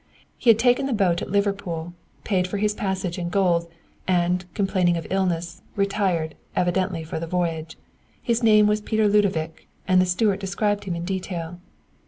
He had taken the boat at Liverpool, paid for his passage in gold, and, complaining of illness, retired, evidently for the voyage. His name was Peter Ludovic, and the steward described him in detail.